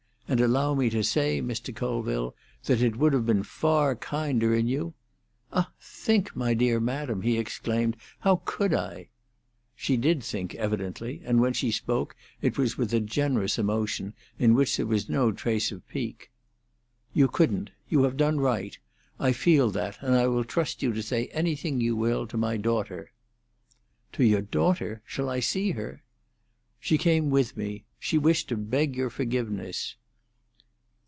And allow me to say, Mr. Colville, that it would have been far kinder in you—" "Ah, think, my dear madam!" he exclaimed. "How could I?" She did think, evidently, and when she spoke it was with a generous emotion, in which there was no trace of pique. "You couldn't. You have done right; I feel that, and I will trust you to say anything you will to my daughter." "To your daughter? Shall I see her?" "She came with me. She wished to beg your forgiveness."